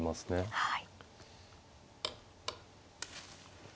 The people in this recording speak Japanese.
はい。